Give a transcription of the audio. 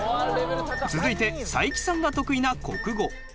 続いて才木さんが得意な国語。